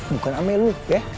bukan ame lu ya